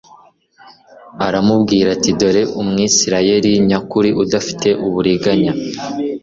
aramubwira ati: « Dore Umwisirayeli nyakuri udafite uburiganya. »